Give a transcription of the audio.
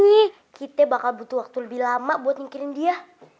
tapi nih kita bakal butuh waktu lebih lama buat ningkirin dia